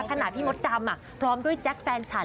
ขณะพี่มดดำพร้อมด้วยแจ๊คแฟนฉัน